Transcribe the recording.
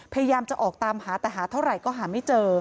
พยายามจะออกตามหาแต่หาเท่าไหร่ก็หาไม่เจอ